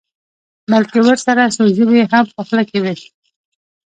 بلکې ورسره څو ژبې یې هم په خوله کې وي.